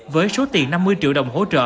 với số tiền năm mươi triệu đồng hỗ trợ